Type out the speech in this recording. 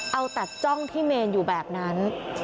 เอาตัดจ้องที่เมนอยู่แบบนั้น